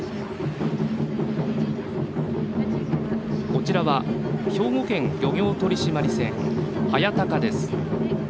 こちらは、兵庫県漁業取締船「はやたか」です。